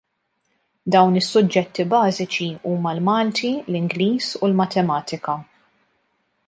Dawn is-suġġetti bażiċi huma l-Malti, l-Ingliż u l-Matematika.